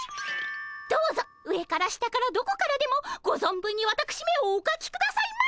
どうぞ上から下からどこからでもご存分にわたくしめをおかきくださいま。